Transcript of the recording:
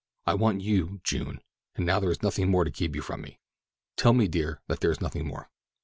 I want you, June, and now there is nothing more to keep you from me. Tell me, dear, that there is nothing more."